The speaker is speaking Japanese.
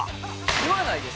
言わないです。